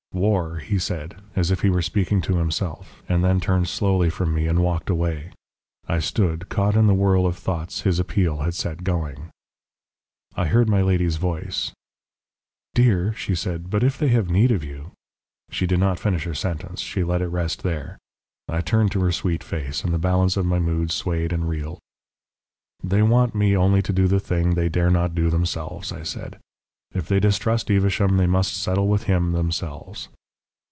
"'War,' he said, as if he were speaking to himself, and then turned slowly from me and walked away. I stood, caught in the whirl of thoughts his appeal had set going. "I heard my lady's voice. "'Dear,' she said; 'but if they have need of you ' "She did not finish her sentence, she let it rest there. I turned to her sweet face, and the balance of my mood swayed and reeled. "'They want me only to do the thing they dare not do themselves,' I said. 'If they distrust Evesham they must settle with him themselves.'